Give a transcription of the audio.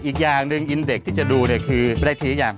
อีกอย่างหนึ่งอินเด็กที่จะดูเนี่ยคือได้ทีหรือยัง